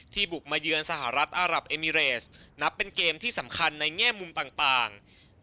บุกมาเยือนสหรัฐอารับเอมิเรสนับเป็นเกมที่สำคัญในแง่มุมต่าง